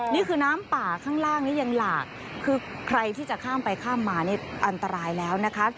นี่คือน้ำป่าข้างล่างนี้ยังหลากคือใครที่จะข้ามไปข้ามมานี่อันตรายแล้วนะคะ